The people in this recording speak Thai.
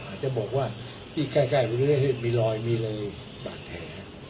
อาจจะบอกว่าที่ใกล้มีรอยมีลี่บ่างแท้